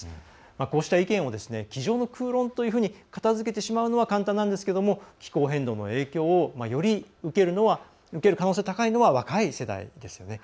こうした意見を机上の空論というふうに片づけてしまうのは簡単ですが気候変動の影響をより受ける可能性が高いのは若い世代ですよね。